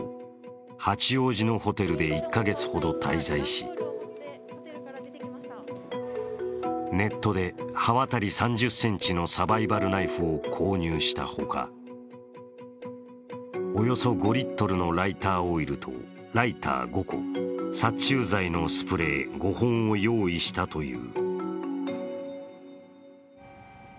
八王子のホテルで１カ月ほど滞在し、ネットで刃渡り３０ｃｍのサバイバルナイフを購入したほかおよそ５リットルのライターオイルとライター５個、殺虫剤のスプレー５本を用意したという。